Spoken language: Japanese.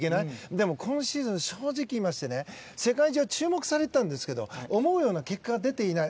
でも、今シーズン正直言いまして世界中、注目されていましたが思うような結果が出ていない。